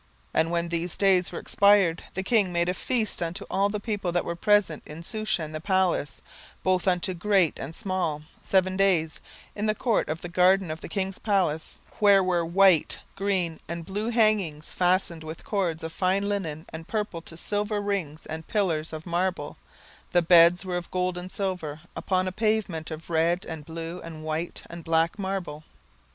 17:001:005 And when these days were expired, the king made a feast unto all the people that were present in Shushan the palace, both unto great and small, seven days, in the court of the garden of the king's palace; 17:001:006 Where were white, green, and blue, hangings, fastened with cords of fine linen and purple to silver rings and pillars of marble: the beds were of gold and silver, upon a pavement of red, and blue, and white, and black, marble.